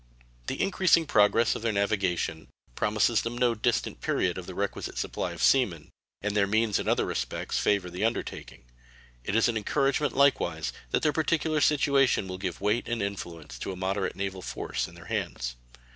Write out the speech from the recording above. The increasing progress of their navigation promises them at no distant period the requisite supply of sea men, and their means in other respects favor the undertaking. It is an encouragement, likewise, that their particular situation will give weight and influence to a moderate naval force in their hands.